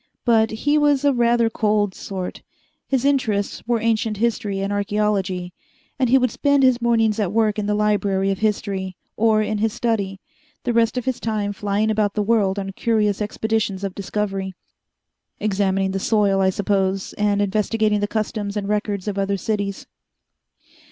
But he was a rather cold sort: his interests were ancient history and archeology, and he would spend his mornings at work in the Library of History or in his study, the rest of his time flying about the world on curious expeditions of discovery examining the soil, I suppose, and investigating the customs and records of other cities.